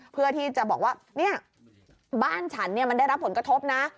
เพื่อที่จะบอกว่าเนี่ยบ้านฉันมันได้รับผลกระทบนะ